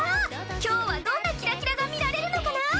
今日はどんなキラキラが見られるのかな？